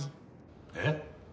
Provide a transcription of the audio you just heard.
えっ！？